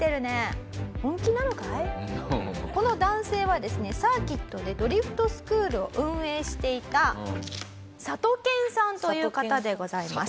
この男性はですねサーキットでドリフトスクールを運営していたサトケンさんという方でございます。